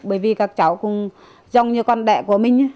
bởi vì các cháu cũng giống như con đẻ của mình